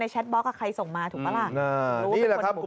ในชัดบ๊อคกะใครส่งมาถูกป้าล่ะอื้อนี่แหละครับ